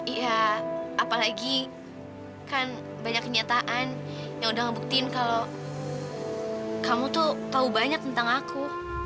ya apalagi kan banyak kenyataan yang udah ngebuktiin kalau kamu tuh tahu banyak tentang aku